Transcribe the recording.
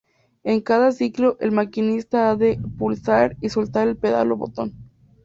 En cada ciclo, el maquinistas ha de pulsar y soltar el pedal o botón.